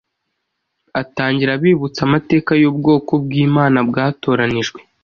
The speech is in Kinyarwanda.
atangira abibutsa amateka y’ubwoko bw’Imana bwatoranijwe.